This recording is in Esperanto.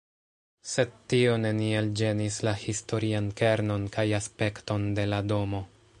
Sed tio neniel ĝenis la historian kernon kaj aspekton de la domo.